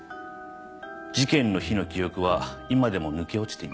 事件の日の記憶は今でも抜け落ちています。